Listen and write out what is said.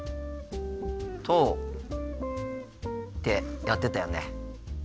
とってやってたよね。